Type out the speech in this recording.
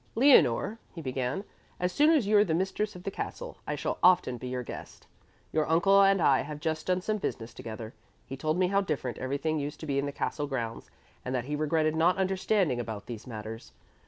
"Leonore," he began, "as soon as you are the mistress of the castle, I shall often be your guest. Your uncle and I have just done some business together. He told me how different everything used to be in the castle grounds and that he regretted not understanding about these matters.